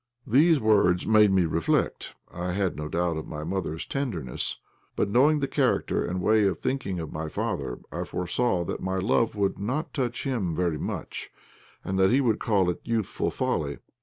These words made me reflect. I had no doubt of my mother's tenderness; but knowing the character and way of thinking of my father, I foresaw that my love would not touch him very much, and that he would call it youthful folly.